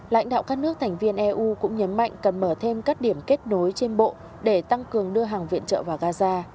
lãnh đạo các nước thành viên eu cũng nhấn mạnh cần mở thêm các điểm kết nối trên bộ để tăng cường đưa hàng viện trợ vào gaza